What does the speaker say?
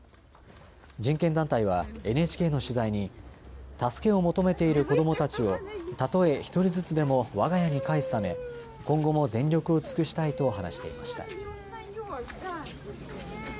人権団体はＮＨＫの取材に助けを求めている子どもたちをたとえ１人ずつでもわが家に帰すため今後も全力を尽くしたいと話していました。